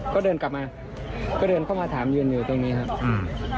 ก็เดินกลับมาก็เดินเข้ามาถามยืนอยู่ตรงนี้ครับอืม